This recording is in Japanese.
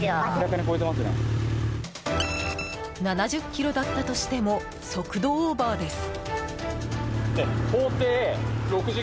７０キロだったとしても速度オーバーです。